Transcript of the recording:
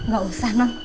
gak usah nona